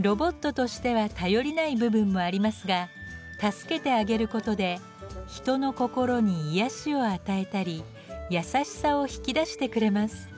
ロボットとしては頼りない部分もありますが助けてあげることで人の心に癒やしを与えたり優しさを引き出してくれます。